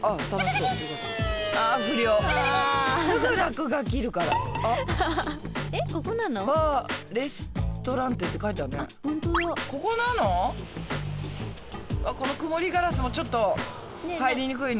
うわこの曇りガラスもちょっと入りにくいね。